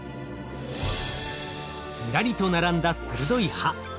ずらりと並んだ鋭い歯。